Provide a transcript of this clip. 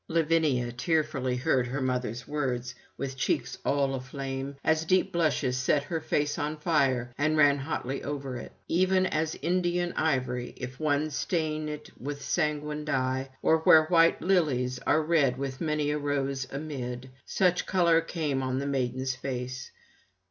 Lavinia tearfully heard her mother's words with cheeks all aflame, as deep blushes set her face on fire and ran hotly over it. Even as Indian ivory, if one stain it with sanguine dye, or where white lilies are red with many a rose amid: such colour came on the maiden's face.